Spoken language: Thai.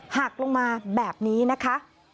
หักลงมาแบบนี้นะคะ